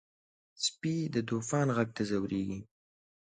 سپي د طوفان غږ ته ځورېږي.